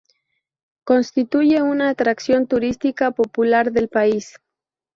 Constituye una atracción turística popular del país.